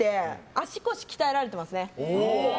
足腰鍛えられてますね。